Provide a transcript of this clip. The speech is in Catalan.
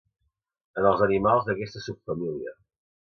En els animals d'aquesta subfamília.